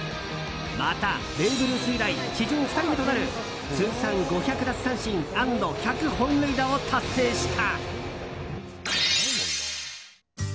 また、ベーブ・ルース以来史上２人目となる通算５００奪三振＆１００本塁打を達成した！